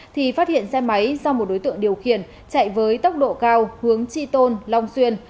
thì phát hiện xe máy do một đối tượng điều khiển chạy với tốc độ cao hướng chi tôn long xuyên